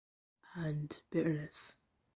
And bitterness.